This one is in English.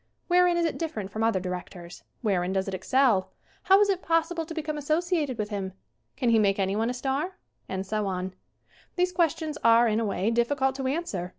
Wherein is it different from other directors ? Wherein does it excel ? How is it possible to become associated with him? Can he make anyone a star? And so on. These questions are, in a way, difficult to answer.